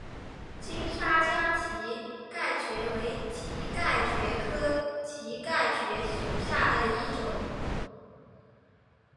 金沙江蹄盖蕨为蹄盖蕨科蹄盖蕨属下的一个种。